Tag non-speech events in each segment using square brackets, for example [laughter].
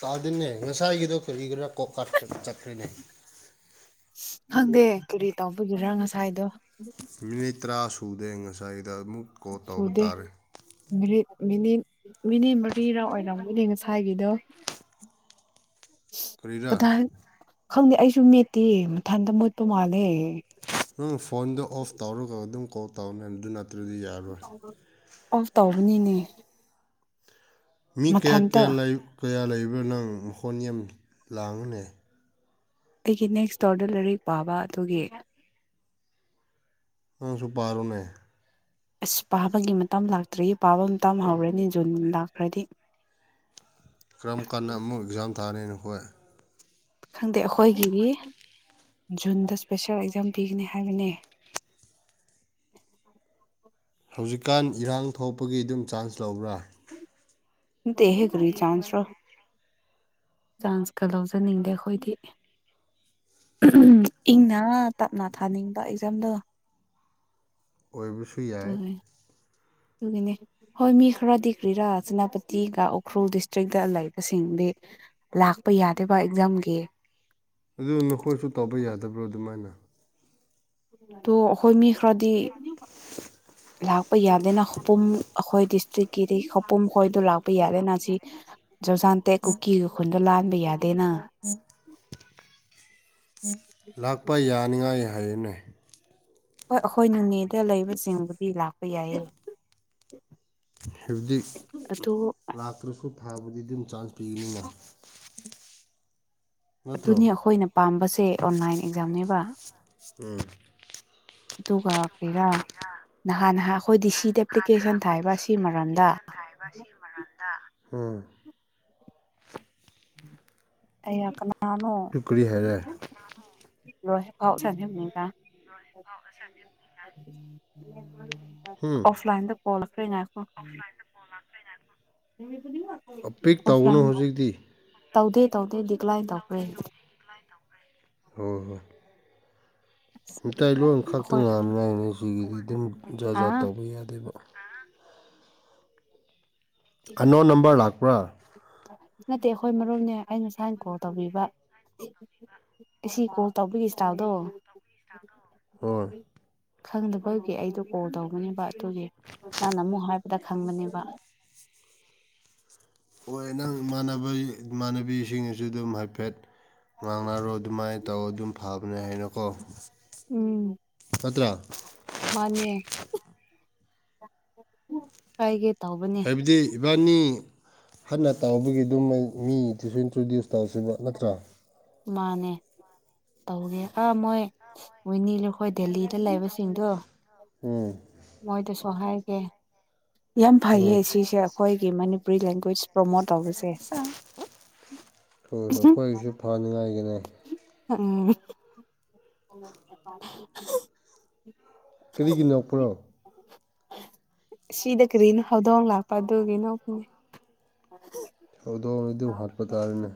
ꯇꯥꯗꯦꯅꯦ ꯉꯁꯥꯏꯒꯤꯗꯣ ꯀꯔꯤꯒꯤꯅ ꯀꯣꯀꯥꯠ ꯆ ꯊꯣꯏꯅꯅꯦ ꯈꯪꯗꯦ ꯀꯔꯤ ꯇꯧꯕꯒꯤꯔꯥ ꯉꯁꯥꯏꯗꯣ ꯔꯤꯇ꯭ꯔꯥꯁ ꯎꯗꯦ ꯉꯁꯥꯏ ꯗ ꯃꯨꯛ ꯀꯣꯜ ꯇꯧꯕ ꯁꯨꯗꯦ ꯇꯥꯔꯦ꯫ ꯃꯤꯅꯤꯠ ꯃꯤꯅꯤꯠ ꯃꯔꯤꯔꯥ ꯑꯣꯏꯔꯝꯒꯅꯤ ꯉꯁꯥꯏꯒꯤꯗꯣ ꯀꯔꯤꯔꯥ ꯀꯗꯥꯥꯏ ꯈꯪꯗꯦ ꯑꯩꯁꯨ ꯃꯦꯠꯇꯤꯌꯦ ꯃꯊꯟꯇ ꯃꯨꯠꯄ ꯃꯥꯜꯂꯦ ꯎꯝ ꯐꯣꯟꯗꯣ ꯑꯣꯐ ꯇꯧꯔꯒ ꯑꯗꯨꯝ ꯑꯣꯐ ꯇꯧꯅꯦꯗꯨꯅ ꯑꯗꯨꯗꯤ ꯌꯥꯔꯣꯏ ꯑꯣꯐ ꯇꯧꯕꯅꯤꯅꯦ ꯃꯤ ꯀꯌꯥ ꯃꯊꯟꯇ ꯀꯌꯥ ꯂꯩ ꯀꯌꯥ ꯂꯩ ꯅꯪ ꯍꯣꯅꯤꯌꯝ ꯂꯥꯡꯉꯅꯦ ꯑꯩ ꯅꯦꯛꯁ ꯏꯁꯇꯣꯔꯗ ꯂꯥꯏꯔꯤꯛ ꯄꯥꯕ ꯑꯗꯨꯒꯤ ꯅꯪꯁꯨꯨ ꯄꯥꯔꯣꯅꯦ ꯑꯁ ꯄꯥꯕꯒꯤ ꯃꯇꯝ ꯂꯥꯛꯇ꯭ꯔꯤ ꯄꯥꯕ ꯃꯇꯝ ꯍꯧꯔꯅꯤ ꯖꯨꯟ ꯂꯥꯛꯈ꯭ꯔꯗꯤ ꯀꯔꯝ ꯀꯥꯟꯗ ꯑꯃꯨꯛ ꯑꯦꯛꯖꯥꯝ ꯊꯥꯅꯤ ꯅꯈꯣꯏ ꯈꯪꯗꯦ ꯑꯩꯈꯣꯏꯒꯤꯗꯤ ꯖꯨꯟꯗ ꯏꯁꯄꯤꯁꯦꯜ ꯑꯦꯛꯖꯥꯝ ꯄꯤꯒꯅꯤ ꯍꯥꯏꯕꯅꯦ ꯍꯧꯖꯤꯛꯀꯥꯟ ꯏꯔꯥꯡ ꯊꯣꯛꯄꯒꯤ ꯑꯗꯨꯝ ꯆꯥꯟꯁ ꯂꯧꯕ꯭ꯔꯥ ꯅꯠꯇꯦꯍꯦ ꯀꯔꯤ ꯆꯥꯟꯁꯔꯣ ꯆꯥꯟꯁꯀ ꯂꯧꯖꯅꯤꯡꯗꯦ ꯑꯩꯈꯣꯏꯗꯤ꯫ ꯏꯪꯅ ꯇꯞꯅ ꯊꯥꯅꯤꯡꯕ ꯑꯦꯛꯖꯥꯝꯗꯣ ꯑꯣꯏꯕꯁꯨ ꯌꯥꯏ ꯑꯗꯨꯒꯤ ꯑꯗꯨꯒꯤꯅꯦ ꯍꯣꯏ ꯃꯤ ꯈꯔꯗꯤ ꯀ꯭ꯔꯤꯔꯥ ꯁꯦꯅꯥꯄꯇꯤꯒ ꯎꯈ꯭ꯔꯨꯜ ꯗꯤꯁꯇ꯭ꯔꯤꯛꯇ ꯂꯩꯕꯁꯤꯡꯗꯤ ꯂꯥꯛꯄ ꯌꯥꯗꯦꯕ ꯑꯦꯛꯖꯥꯝꯒꯤ ꯑꯗꯨ ꯅꯈꯣꯏꯁꯨ ꯇꯧꯕ ꯌꯥꯗꯕ꯭ꯔꯣ ꯑꯗꯨꯃꯥꯏꯅ ꯇꯣ ꯑꯈꯣꯏ ꯃꯤ ꯈꯔꯥ ꯏ ꯂꯥꯛꯄ ꯌꯥꯗꯦꯅ ꯄꯨꯝ ꯑꯈꯣꯏ ꯗꯤꯁꯇ꯭ꯔꯤꯛꯀꯤꯗꯤ ꯈꯧꯄꯨꯝ ꯈꯣꯏꯗꯣ ꯂꯥꯛꯄ ꯌꯥꯗꯦꯅ ꯖꯤꯛ ꯖꯥꯟꯇꯦꯛ ꯀꯨꯀꯤꯒ ꯈꯨꯟꯗꯨ ꯂꯥꯟ ꯌꯥ ꯂꯥꯛꯄ ꯌꯥꯅꯤꯡꯉꯥꯏ ꯍꯥꯏꯌꯦꯅꯦ ꯑꯩꯈꯣꯏ ꯅꯣꯅꯦꯗ ꯂꯩꯕ ꯆꯤꯡꯕꯨꯗꯤ ꯂꯥꯛꯄ ꯌꯥꯏꯌꯦ ꯍꯧꯖꯤꯛ ꯑꯗꯨ ꯂꯥꯛꯀꯔꯁꯨ ꯊꯥꯕꯨꯗꯤ ꯑꯗꯨꯝ ꯆꯥꯟꯁ ꯄꯤꯒꯅꯤꯅ ꯅꯠꯇ꯭ꯔꯣ ꯑꯗꯨꯅꯤ ꯑꯩꯈꯣꯏꯅ ꯄꯥꯝꯕꯁꯦ ꯑꯣꯟꯂꯥꯏꯟ ꯑꯦꯛꯖꯥꯝꯅꯦꯕ ꯎꯝ ꯑꯗꯨꯒ ꯀꯔꯤꯔꯥ ꯅꯍꯥ ꯅꯍꯥ ꯑꯩꯈꯣꯏꯗꯤ ꯁꯤꯗ ꯑꯦꯄ꯭ꯂꯤꯀꯦꯁꯟ ꯑꯩꯈꯣꯏ ꯊꯥꯏꯕ ꯁꯤ ꯗꯤꯁꯤꯗ ꯃꯔꯝꯗ ꯑꯦꯄ꯭ꯂꯤꯀꯦꯁꯟ ꯊꯥꯏꯕ ꯁꯤ ꯃꯔꯝꯗ꯫ ꯎꯝ꯫ ꯑꯩꯅ ꯀꯃꯩ꯫ ꯀꯅꯥꯅꫭ꯫ ꯑꯗꯨ ꯀꯔꯤ ꯍꯥꯏꯔꯦ ꯂꯣꯏꯗ꯭ꯔꯤ ꯐꯥꯎ [unintelligible] [unintelligible] ꯎꯝ ꯑꯣꯐꯂꯥꯏꯟꯗ꯫ ꯐꫭꯜ ꯂꯥꯛꯈ꯭ꯔꯦ ꯉꯥꯏꯈꫭ ꯫ ꯑꯄꯤꯛ ꯇꯧꯒꯅꯨ ꯍꯨꯖꯤꯛꯇꯤ꯫ ꯇꯧꯗꯦ ꯇꯧꯗꯦ ꯗꯤꯀ꯭ꯂꯥꯏꯟ ꯇꯧꯈ꯭ꯔꯦ꯫ ꯍꯣꯏ ꯍꯣꯏ꯫ ꯃꯤꯇꯩꯂꯣꯟ ꯈꯛꯇ ꯑꯩꯈꯣꯏ ꯉꯥꯡꯅꯤꯉꯥꯏꯅꯤ ꯁꯤꯒꯤꯗꯤ ꯑꯗꯨꯝ ꯖꯥꯠ ꯍꯥ ꯖꯥꯠ ꯇꯧꯕ ꯌꯥꯗꯦꯕ꯫ ꯑꯟꯅꯣꯟ ꯅꯝꯕꫪ ꯂꯥꯛꯄ꯭ꯔꯥ꯫ ꯅꯠꯇꯦ ꯑꯩꯈꯣꯏ ꯃꯔꯨꯞꯅꯦ ꯑꯩꯅ ꯁꯨꯃꯥꯏꯅ ꯀꯣꯜ ꯇꯧꯕꯤꯕ ꯑꯁꯤ ꯀꯣꯜ ꯇꯧꯕꯤꯒꯤ ꯏꯁꯇꯥꯜꯗꯣ꯫ ꯍꫭꯏ꯫ ꯈꯪꯗꯕꯒꯤ ꯑꯩꯗꯣ ꯀꯣꯜ ꯇꯧꯒꯅꯦꯕ ꯑꯗꯨꯒꯤ ꯅꯍꯪꯅ ꯑꯃꯨꯛ ꯍꯥꯏꯕꯗ ꯈꯪꯕꯅꯦꯕ꯫ ꯍꯣꯏ ꯅꯪ ꯏꯃꯥꯟꯅꯕ ꯏꯃꯥꯟꯅꯕꯤꯁꯤꯡꯁꯨ ꯑꯗꯨꯝ ꯍꯥꯏꯐꯦꯠ꯫ ꯉꯥꯡꯅꯔꯣ ꯑꯗꯨꯃꯥꯏꯅ ꯇꯧ ꯑꯗꯨꯝ ꯐꯕꯅꯦ ꯍꯥꯏꯅꯀꯣ ꯎꯝ ꯅꯠꯇ꯭ꯔꯥ꯫ ꯃꯥꯅꯦ ꯍꯥꯏꯒꯦ꯫ ꯇꯧꯕꯅꯦ ꯍꯥꯏꯕꯗꯤ ꯏꯕꯥꯅꯤ꯫ ꯍꯟꯅ ꯇꯧꯕꯒꯤ ꯑꯗꯨꯃꯥꯏ ꯃꯤꯗꯨꯁꯨ ꯏꯟꯇ꯭ꯔꯣꯗꯨꯁ꯫ ꯇꯧꯁꯤꯕ ꯅꯠꯇ꯭ꯔꯥ꯫ ꯃꯥꯅꯦ ꯇꯧꯒꯦ ꯑꯥ ꯃꯣꯏ ꯋꯅꯤꯔꯈꯣꯏ ꯗꯦꯜꯂꯤꯗ ꯂꯩꯕꯁꯤꯡꯗꯣ꯫ ꯎꯝ꯫ ꯍꫭꯏ ꯍꯥꯏꯔꯒꯦ꯫ ꯌꯥꯝ ꯍꯣꯏ ꯐꯩꯌꯦ ꯁꯤꯁꯦ ꯑꯩꯈꯣꯏꯒꯤ ꯃꯅꯤꯄꯨꯔꯤ ꯂꯦꯡꯒ꯭ꯋꯦꯁ ꯄ꯭ꯔꯣꯃꯣꯠ ꯇꯧꯕꯁꯦ ꯁꯥ ꯎꯝ ꯑꯈꯣꯏꯁꯤ ꯐꯅꯤꯉꯥꯏ꯫ [unintelligible] [unintelligible] ꯀꯔꯤꯒꯤꯅꯣꯛꯄ꯭ꯔꯣ꯫ ꯁꯤꯗ ꯀꯔꯤꯅꯣ ꯍꯧꯗꯣꯡ ꯂꯥꯛꯄ ꯑꯗꯨꯒꯤ ꯅꯣꯛꯄꯅꯦ꯫ ꯍꯧꯗꯣꯡ ꯑꯗꯨ ꯍꯥꯠꯄꯇꯥꯔꯦꯅꯦ꯫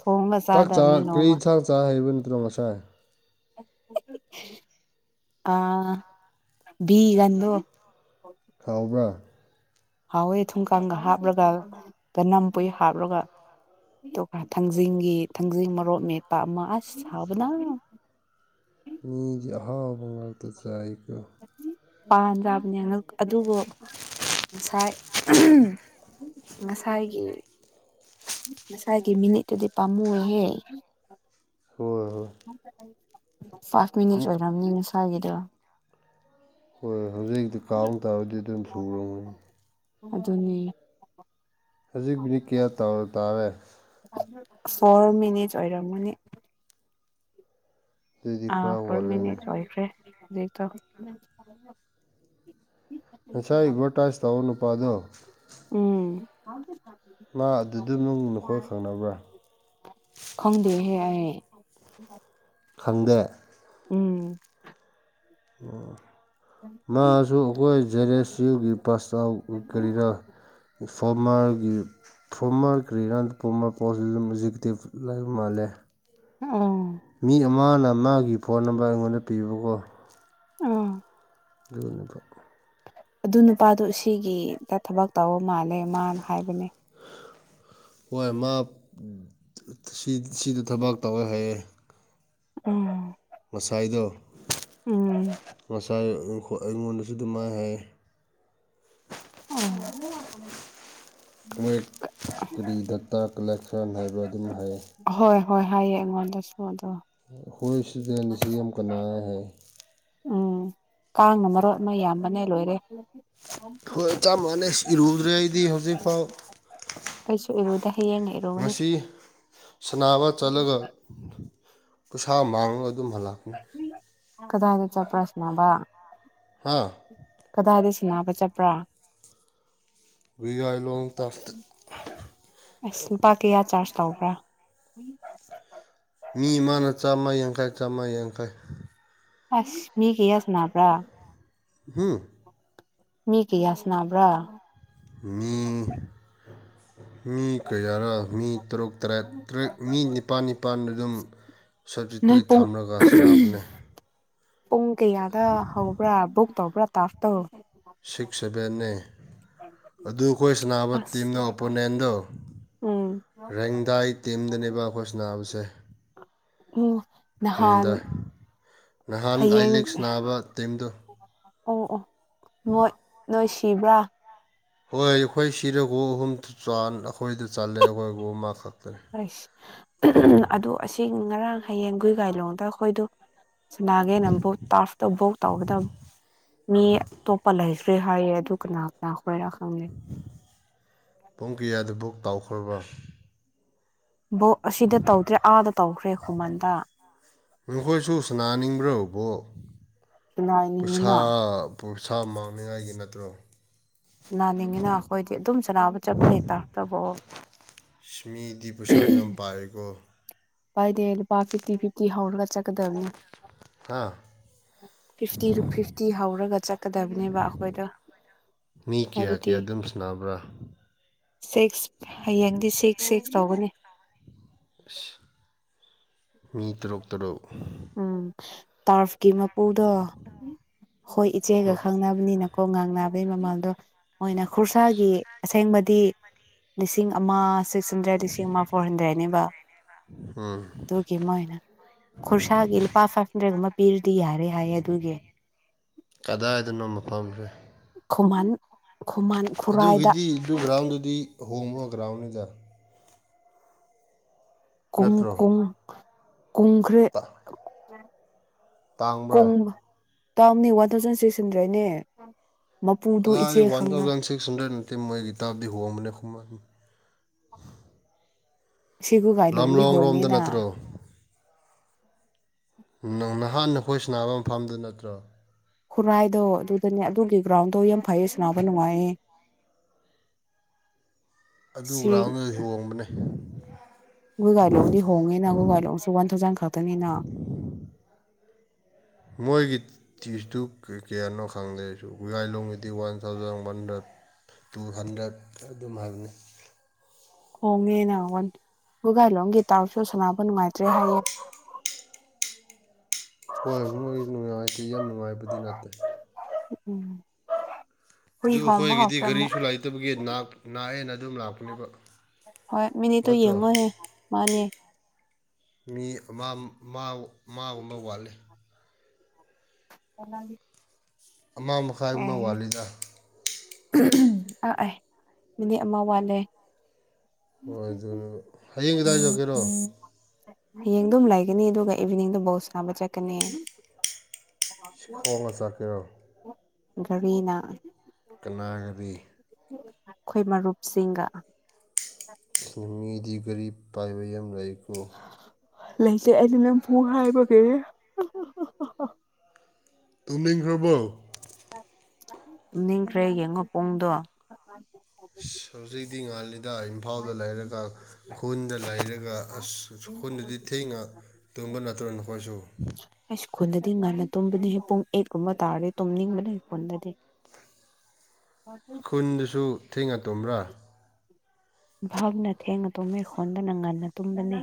ꯊꯣꯡꯒ ꯆꯥꯛ ꯆꯥ ꯆꯥꯗꯕꯅꯤ ꯀꯔꯤ ꯅꯣꯡꯃ ꯏꯟꯁꯥꯡ꯫ [unintelligible] ꯉꯁꯥꯏ꯫ ꯑꯥ ꯕꯤꯒꯟꯗꯣ ꯈꯥꯎꯕ꯭ꯔꯥ ꯍꯥꯎꯋꯦ ꯊꯨꯝꯀꯪꯒ ꯍꯥꯞꯂꯒ ꯇꯅꯝ ꯄꯨꯏ ꯍꯥꯞꯂꯒ ꯑꯗꯨꯒ ꯊꯥꯡꯖꯤꯡꯒꯤ ꯊꯥꯡꯖꯤꯡ ꯃꯔꯣꯛ ꯃꯦꯠꯄ ꯑꯃ ꯑꯁ ꯁꯥꯕꯅ ꯃꯤꯗꯤ ꯑꯍꯥꯎꯕ ꯉꯥꯛꯇ ꯆꯥꯏ ꯄꯥꯟꯖꯕꯅꯦ ꯑꯗꯨꯕꯨ ꯉꯁꯥꯏ ꯉꯁꯥꯏꯒꯤ ꯉꯁꯥꯏꯒꯤ ꯃꯤꯅꯤꯠꯇꯨꯗꯤ ꯄꯥꯝꯃꯨꯏꯍꯦ ꯍꯣꯏ ꯍ ꯍꯣꯏ [unintelligible] ꯐꯥꯁ ꯃꯤꯅꯤꯠ ꯑꯣꯏꯔꯝꯅꯤ ꯅꯁꯥꯏꯒꯤꯗꯣ ꯍꯣꯏ ꯍꯧꯖꯤꯛ ꯍꯧꯖꯤꯛꯇꯤ ꯀꯥꯎꯕ ꯇꯥꯔꯗꯤ ꯑꯗꯨꯝ ꯁꯨꯔꯝꯅꯤ ꯑꯗꯨꯅꯤ ꯍꯧꯖꯤꯛꯕꯨꯗꯤ ꯀꯌꯥ ꯇꯧꯔ ꯇꯥꯔꯦ ꯐꯣꯔ ꯃꯤꯅꯤꯠꯁ ꯑꯣꯏꯔꯝ ꯃꯅꯤ ꯑꯗꯨꯗꯤ ꯑ ꯈꯔ ꯐꯣꯔ ꯋꯥꯠꯂꯦꯅꯦ ꯃꯤꯅꯤꯠꯁ ꯑꯣꯏꯈꯔꯦ ꯍꯖꯤꯛꯇꯣ ꯉꯁꯥꯏ ꯑꯦꯠꯚꯔꯇꯥꯏꯁ ꯇꯧꯕ ꯅꯨꯄꯥꯥꯗꯣ ꯍ ꯃꯥ ꯑꯗꯨꯗ ꯅꯨꯡ ꯅꯈꯣꯏ ꯈꯪꯅꯕ꯭ꯔꯥ ꯍ ꯈꯪꯗꯦ ꯎꯝ ꯎ ꯃꯥꯁꯨ ꯑꯩꯈꯣꯏ ꯖꯦꯠ ꯑꯦꯁ ꯌꯨꯒꯤ ꯄꯥꯁ ꯑꯥꯎꯠ ꯀꯔꯤꯔ ꯐꯣꯔꯃꯔꯒꯤ ꯐꯔꯣꯃꯔ ꯀꯔꯤꯔ ꯄ꯭ꯔꯣꯃꯔ ꯄꯣꯁꯇ ꯑꯗꯨꯝꯖꯤꯛꯇꯤꯞ ꯂꯩꯕ ꯃꯥꯜꯂꯦ ꯑꯣ ꯃꯤ ꯃꯅ ꯃꯥꯒꯤ ꯐꯣꯟ ꯅꯝꯕꯔ ꯑꯩꯉꯣꯟꯗ ꯄꯤꯕꯀꯣ ꯑ ꯑꯗꯨꯅꯈꯣ ꯑꯗꯨ ꯅꯨꯄꯥꯗꯨ ꯑꯁꯤꯒꯤꯗ ꯊꯕꯛ ꯇꯧꯕ ꯃꯥꯜꯂꯦ ꯃꯥꯅ ꯍꯥꯏꯕꯅꯦ ꯍꯣꯏ ꯃꯥ ꯁꯤꯗ ꯊꯕꯥꯛ ꯇꯧꯋꯦ ꯍꯥꯏꯌꯦ ꯎꯝ ꯉꯁꯥꯏꯗꯣ ꯎꯝ ꯉꯥꯁꯥꯏ ꯑꯩꯉꯣꯟꯗꯁꯨ ꯑꯗꯨ ꯃꯥꯏ ꯍꯥꯏꯌꯦ ꯑꯥ ꯃꯣꯏꯠ ꯀꯔꯤ ꯗꯇꯥ ꯀꯂꯦꯛꯁꯟ ꯍꯥꯏꯕꯔ ꯑꯗꯨꯝ ꯍꯥꯏꯌꯦ ꯍꯣꯏ ꯍꯣꯏ ꯍꯥꯏꯑꯌꯦ ꯑꯩꯉꯣꯟꯗꯁꯨ ꯑꯗꯣ ꯑꯈꯣꯏ ꯁꯤꯗꯦꯟ ꯁꯤ ꯑꯦꯝ ꯀꯅꯥꯔ ꯍꯥꯏ ꯎꯝ ꯀꯥꯡꯅ ꯃꯔꫭꯟ ꯑꯃ ꯌꯥꯝꯕꯅꯦ ꯂꯣꯏꯔꯦ ꯍꯣꯏ ꯆꯞ ꯃꯥꯟꯅꯩ ꯏꯔꯨꯗ꯭ꯔꯦ ꯑꯩꯗꯤ ꯍꯧꯖꯤꯛꯐꯥꯎ ꯑꯩꯁꯨ ꯏꯔꯨꯗ ꯍꯌꯦꯡꯅ ꯏꯔꯨꯒꯅꯤ ꯉꯁꯤ ꯁꯅꯥꯕꯥ ꯆꯠꯂꯒ ꯄꫭꯁꯥ ꯃꯥꯡꯉ ꯑꯗꯨꯝ ꯍꯜꯂꯛ ꯄꯅꯤ ꯀꯗꯥꯏꯗ ꯆꯠꯄ꯭ꯔ ꯁꯥꯟꯅꯕ ꯍꯥ ꯀꯗꯥꯏꯗ ꯁꯤ ꯅꯕ ꯆꯠꯄ꯭ꯔꯥ ꯒꯨꯏꯒꯥꯏ ꯂꯣꯡ ꯇꯔꯐꯇ ꯑꯁ ꯂꯨꯄꯥ ꯀꯩꯌꯥ ꯆ꯭ꯔꯁ ꯇꯧꯕ꯭ꯔꯥ ꯃꯤ ꯑꯃꯅ ꯆꯥꯝꯃ ꯌꯥꯡꯈꯩ ꯆꯥꯝꯃ ꯌꯥꯡꯈꯩ ꯑꯁ ꯃꯤ ꯀꯌꯥ ꯁꯅꯥꯕ꯭ꯔꯥ ꯍꯨ ꯃꯤ ꯀꯌꯥ ꯁꯟꯅꯕ꯭ꯔꯥ ꯃꯤ ꯃꯤ ꯀꯌꯥꯔ ꯃꯤ ꯇꯔꯨꯛ ꯇꯔꯦꯠ ꯇꯔꯦꯠ ꯃꯤ ꯅꯤꯄꯥꯜ ꯅꯤꯄꯥꯜ ꯑꯗꯨꯝ ꯅꯣꯏ ꯁꯞꯇꯤꯇꯨꯋꯤꯠ ꯄꯨꯡ ꯊꯝꯂꯒ ꯁꯟꯅꯕꯅꯦ ꯄꯨꯡ ꯀꯌꯥꯗ ꯍꯧꯕ꯭ꯔꯥ ꯕꯨꯛ ꯇꯧꯕ꯭ꯔꯥ ꯇꯥꯞ ꯇꫭ ꯁꯤꯛꯁ ꯁꯕꯦꯟꯅꯦ ꯑꯗꯨ ꯑꯩꯈꯣꯏ ꯁꯅꯕ ꯑꯁ ꯇꯤꯝꯗꫭ ꯑꯣꯄꯣꯅꯦꯟꯗꯣ ꯎꯝ ꯔꯦꯡꯗꯥꯏ ꯇꯤꯝꯗꯅꯦꯕ ꯑꯈꯣꯏ ꯁꯅꯥꯕꯁꯦ [unintelligible] ꯅꯍꯥꯟ ꯔꯤꯡꯎꯗꯥꯏ ꯅꯍꯥꯟ ꯍꯌꯦꯡ ꯑꯥꯏꯂꯦꯛ ꯁꯅꯥꯕ ꯇꯤꯝꯗꯨ ꯑꯣ ꯑꯣ ꯃꯣꯏ ꯅꯣꯏ ꯇꯤꯕ꯭ꯔꯥ ꯍꯣꯏ ꯑꯈꯣꯏ ꯁꯤꯔ ꯒꫭꯜ ꯑꯍꯨꯝ ꯆꯥꯟ ꯑꯈꯣꯏꯗ ꯆꯜꯂꯦ ꯑꯈꯣꯏ ꯒꯣꯜ ꯑꯃꯈꯛ [unintelligible] ꯑꯗꯨ ꯑꯁꯤ ꯉꯔꯥꯡ ꯍꯌꯦꯡꯒꫭꯏ ꯒꯥꯏꯂꯣꯡꯗ ꯑꯈꯣꯏꯗ ꯁꯅꯥꯒꯦꯅ ꯕꯨꯛ ꯇꯥꯔꯐꯇ ꯕꯣꯛ ꯇꯧꯕꯗ ꯃꯤ ꯑꯇꯣꯞꯄ ꯂꯩꯈ꯭ꯔꯦ ꯍꯥꯏꯌꯦ ꯑꯗꯨ ꯀꯅꯥ ꯀꯅꯥ ꯈꯣꯏꯔꯥ ꯈꯪꯗꯦ ꯄꯨꯡ ꯀꯌꯥꯗ ꯕꯨꯛ ꯇꯥꯎ ꯈ꯭ꯔꯕ ꯕꯣꯛ ꯑꯁꯤꯗ ꯇꯧꯗ꯭ꯔꯦ ꯑꯥꯗ ꯇꯧꯈ꯭ꯔꯦ ꯈꯨꯃꯟꯗ ꯅꯈꯣꯏꯁꯨ ꯁꯅꯥꯅꯤꯡꯕ꯭ꯔꯣ ꯕꯣꯜ ꯁꯥꯅ ꯅꯤꯡꯉꯤꯅ ꯄꯨꯔꯁꯥ ꯃꯥꯡꯅꯤꯡꯉꯥꯏꯒꯤ ꯅꯠꯇ꯭ꯔꯣ ꯅꯥꯅꯤꯡꯉꯤꯅ ꯑꯩꯈꯣꯏꯗꯤ ꯑꯗꯨꯝ ꯑꯁ ꯃꯤꯗꯤ ꯄꯩꯁꯥ ꯌꯥꯝ ꯄꯥꯏꯀꯣ [unintelligible] ꯄꯥꯏꯗꯦ ꯂꯨꯄꯥ ꯐꯤꯐꯇꯤ ꯐꯤꯐꯇꯤ ꯍꯧꯔꯒ ꯆꯠꯀꯗꯕꯅꯦ ꯍꯥ ꯐꯤꯐꯇꯤ ꯐꯤꯐꯇꯤ ꯍꯧꯔꯒ ꯆꯠꯀꯗꯕꯅꯦꯕ ꯑꯩꯈꯣꯏꯗꯣ ꯃꯤ ꯀꯌꯥ ꯍꯥꯏꯕꯗꯤ ꯀꯌꯥ ꯑꯗꯨꯝ ꯁꯥꯟꯅꯕ꯭ꯔꯥ ꯁꯤꯛꯁ ꯍꯌꯦꯡꯗꯤ ꯁꯤꯛꯁ ꯁꯤꯛꯁ ꯇꯧꯒꯅꯤ ꯑꯁ ꯃꯤ ꯇꯔꯨꯛ ꯇꯔꯨꯛ ꯎꯝ ꯇꯥꯔꯐ ꯀꯤ ꯃꯄꯨꯗꯣ ꯍꯣꯏ ꯏꯆꯦꯒ ꯈꯪꯅꯕꯅꯤꯅ ꯈꯣ ꯉꯥꯡ ꯅꯥꯕꯩꯒꯤ ꯃꯃꯜꯗꯣ ꯃꯣꯏꯅ ꯈꯨꯨꯔꯁꯥꯒꯤ ꯑꯁꯦꯡꯕꯗꯤ ꯂꯤꯁꯤꯡ ꯑꯃ ꯁꯤꯛꯁ ꯍꯟꯗ꯭ꯔꯦꯗ ꯂꯤꯁꯤꯡ ꯑꯃ ꯐꯣꯔ ꯍꯟꯗ꯭ꯔꯦꯠꯅꯤꯕ ꯎꯝ ꯑꯗꯨꯒꯤ ꯑꯃ ꯑꯩꯅ ꯈꯨꯔꯁꯥꯒꯤ ꯂꯨꯄꯥ ꯐꯥꯏꯚ ꯍꯟꯗꯔꯦꯗ ꯀꯨꯝ ꯃ ꯄꯤꯔ ꯗꯤ ꯌꯥꯔꯦ ꯍꯥꯏꯌꯦ ꯑꯗꯨꯒꯤ ꯀꯗꯥꯏꯗꯅꯣ ꯃꯐꯝꯁꯦ ꯈꯨꯃꯟ ꯈꯨꯃꯟ ꯈꯨꯔꯥꯏꯗ ꯑꯗꯨꯒꯤꯗꯤ ꯑꯗꯨ ꯒ꯭ꯔꯥꯎꯟꯗꯨꯗꯤ ꯍꯣꯡꯕ ꯒ꯭ꯔꯥꯎꯟꯅꯤꯗ ꯀꯨꯝ ꯅꯠꯇ꯭ꯔꯣ ꯀꯨꯝ ꯀꯨꯝꯈ꯭ꯔꯦ [inaudible] ꯇꯥꯡꯕ꯭ꯔꯥ ꯇꯥꯡꯅꯤ ꯋꯥꯟ ꯊꯥꯎꯖꯟ ꯁꯤꯛꯁ ꯍꯟꯗ꯭ꯔꯦꯗꯅꯦ ꯃꯄꯨꯗꯨ ꯏꯆꯦ ꯀꯗꯣꯏꯗꯩ ꯋꯥꯟ ꯈꯪꯅ ꯊꯥꯎꯖꯟ ꯁꯤꯛꯁ ꯍꯟꯗꯔꯦꯗꯅꯣ ꯃꯉꯦꯇ ꯑꯗꯨꯗꯤ ꯍꯃꯅ ꯈꯨꯃꯅꯤ ꯁꯤꯒꯨ ꯒꯥꯏ ꯂꯣꯡꯗꯤ ꯍꯣꯡꯉꯦꯅ ꯅꯠꯇ꯭ꯔꯣ ꯅꯪ ꯅꯍꯥꯟ ꯑꯩꯈꯣꯏ ꯁꯅꯕ ꯃꯐꯝꯗꯨ ꯅꯠꯇ꯭ꯔꯣ ꯈꯨꯔꯥꯏꯗꯣ ꯑꯗꯨꯗꯅꯦ ꯑꯗꯨꯒꯤ ꯒ꯭ꯔꯥꯎꯟꯗꯣ ꯌꯥꯝ ꯐꯩꯌꯦ ꯁꯥꯅꯕ ꯅꯨꯡꯉꯥꯏꯌꯦ ꯑꯗꯨ ꯒ꯭ꯔꯥꯎꯟꯗꯨꯗ ꯍꯣꯡꯕꯅꯦ ꯑꯩꯈꯣꯏ ꯒꯥꯏꯂꯣꯡꯗꯤ ꯍꯣꯡꯉꯦꯅ ꯑꯩꯈꯣꯏ ꯒꯥꯏꯂꯣꯡꯁꯨ ꯋꯥꯟ ꯊꯥꯎꯖꯟ ꯈꯛꯇꯅꯤꯅ ꯃꯣꯏꯒꯤ ꯇꯤꯁꯇꯨ ꯀꯩ ꯀꯌꯥꯅꯣ ꯈꯪꯗꯦ ꯑꯩꯁꯨ ꯒꯥꯏꯂꯣꯝꯒꯤꯗꯤ one thousand one hundred two hundred ꯑꯗꯨꯝ ꯍꯥꯏꯕꯅꯤ ꯍꯣꯡꯉꯦꯅ ꯋꯟ ꯋꯥꯒꯥꯏꯂꯣꯝꯒꯤ ꯇꯥꯎꯁꯨ ꯁꯣꯅꯕ ꯅꯨꯡꯉꯥꯏꯇ꯭ꯔꯦ ꯍꯥꯏꯌꯦ ꯍꯣꯏ ꯃꯣꯏ ꯅꯨꯡꯉꯥꯏꯇꯦ ꯌꯥꯝ ꯅꯨꯡꯉꯥꯏꯕꯗꯤ ꯅꯠꯇꯦ ꯎꯝ ꯍꯨꯏ ꯑꯗꯨ ꯍꯣꯡꯕ ꯑꯩꯈꯣꯏꯒꯤꯗꯤ ꯍꯧꯈ꯭ꯔꯦ ꯑꯃꯨꯛ ꯒꯔꯤꯁꯨ ꯂꯥꯢꯇꯕꯒꯤ ꯅꯥꯥꯛ ꯅꯥꯛꯑꯦꯅ ꯑꯗꯨꯝ ꯂꯥꯛꯄꯅꯦꯕ ꯍꯣꯏ ꯃꯤꯅꯤꯠꯇꯨ ꯅꯠꯇ꯭ꯔꯣ ꯌꯦꯡꯉꯣꯍꯦ ꯃꯥꯅꯦ ꯃꯤ ꯃꯥ ꯃꯥ ꯃꯥꯒꯨꯝꯕ ꯋꯥꯠꯂꯦ [unintelligible] ꯑꯃ ꯃꯈꯥꯏꯒꯨꯕ ꯋꯥꯠꯂꯤꯗ ꯑꯑꯦ ꯃꯤꯅꯤꯠ ꯑꯃ ꯋꯥꯠꯂꯦ ꯍꯣꯢ ꯑꯗꯨ ꯍꯌꯦꯡ [unintelligible] ꯍꯌꯦꯡ ꯑꯗꯨꯝ ꯂꯩꯒꯅꯤ ꯑꯗꯨꯒ ꯏꯚꯤꯅꯤꯡꯗꯣ ꯕꯣꯜ ꯁꯥꯅꯥꯕ ꯆꯠꯀꯅꯤ ꯁꯤ ꯈꯣꯡꯅ ꯆꯠꯀꯦꯔꯣ ꯒꯔꯤꯅꯥ ꯀꯅꯥ ꯒꯔꯤ ꯑꯩꯈꯣꯏ ꯃꯔꯨꯞꯁꯤꯡꯒ ꯅꯨꯃꯤꯠ ꯗꯤꯒꯥꯔꯤ ꯄꯥꯏꯕ ꯌꯥꯝ ꯂꯩꯀꯣ ꯂꯩꯇꯦ ꯑꯩꯗꯤ ꯅꯝꯕꯨꯨ ꯍꯥꯏꯕꯒꯤ ꯇꯨꯝꯅꯤꯡꯈ꯭ꯔꯕꯣ ꯇꯨꯝꯅꯤꯡꯈ꯭ꯔꯦ ꯌꯦꯡꯉꯨꯄꯨꯡꯗꯣ [unintelligible] ꯗ ꯏꯝꯐꯥꯜꯗ ꯂꯩꯔꯒ ꯈꯨꯟꯗ ꯂꯩꯔꯒ ꯑꯁ ꯈꯨꯟꯗꯗꯤ ꯊꯦꯡꯉ ꯇꯨꯝꯕ ꯅꯠꯇ꯭ꯔꯣ ꯅꯈꯣꯏꯁꯨ ꯈꯨꯨꯟꯗꯗꯤ ꯉꯟꯅ ꯇꯨꯝꯕꯅꯤꯍꯦ ꯄꯨꯡ ꯑꯩꯠꯀꯨꯝꯕ ꯇꯥꯔꯦ ꯇꯨꯝꯅꯤꯡꯕꯅꯦ ꯈꯨꯟꯗꯗꯤ ꯈꯨꯟꯗꯨꯁꯨ ꯊꯦꯡꯉ ꯇꯨꯝꯕ꯭ꯔꯥ ꯢꯝꯐꯥꯜꯅ ꯊꯦꯡꯅ ꯇꯨꯝꯃꯦ ꯈꯨꯟꯗꯅ ꯉꯟꯅ ꯇꯨꯝꯕꯅꯦ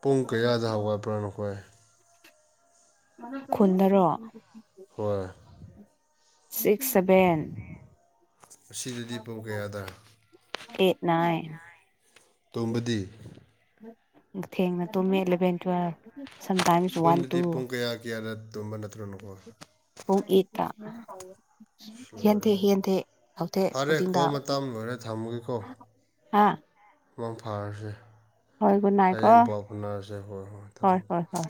ꯄꯨꯡ ꯀꯌꯥꯗ ꯍꯧꯒꯠꯄ꯭ꯔꯥ ꯅꯈꯣꯏ ꯈꯨꯟꯗꯔꯣ ꯍꯣꯏ ꯁꯤꯛꯁ ꯁꯚꯦꯟ ꯑꯁꯤꯗꯗꯤ ꯄꯨꯡ ꯀꯌꯥꯗ ꯑꯦꯠ ꯅꯥꯢꯟ ꯇꯣꯝꯕꯗꯤ ꯊꯦꯡꯅ ꯇꯨꯃꯦ ꯏꯂꯕꯦꯟ ꯇꯋꯦꯜꯄ ꯈꯨꯟꯗꯗꯤ ꯄꯨꯡ ꯀꯌꯥ ꯀꯌꯥꯗ ꯇꯨꯝꯕ ꯅꯠꯇ꯭ꯔꯣ ꯅꯈꯣꯢ [inaudible] ꯍꯦꯟꯊꯦ ꯍꯦꯟꯊꯦ ꯇꯧꯊꯦ ꯐꯔꯦ ꯈꯨꯗꯤꯡꯗ ꯀꯣꯜ ꯃꯇꯝ ꯂꯣꯏꯔꯦ ꯍꯥꯥ ꯃꯥꯡ ꯐꯥꯔꯁꯦ ꯍꯣꯏ ꯨꯗ ꯅꯥꯏꯀꯣ ꯍꯣꯏ ꯍꯣꯏ ꯊꯝꯃꯦ ꯍ ꯍ